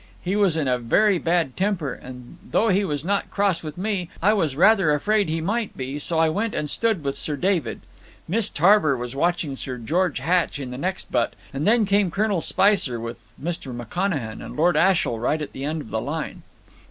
He was in a very bad temper, and though he was not cross with me, I was rather afraid he might be, so I went and stood with Sir David. Miss Tarver was watching Sir George Hatch in the next butt, and then came Colonel Spicer, with Mr. McConachan and Lord Ashiel right at the end of the line.